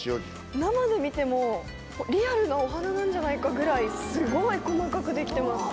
生で見てもリアルなお花なんじゃないかぐらいすごい細かく出来てます。